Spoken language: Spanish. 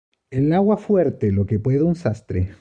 El aguafuerte ¡Lo que puede un sastre!